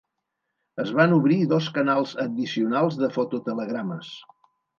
Es van obrir dos canals addicionals de fototelegrames.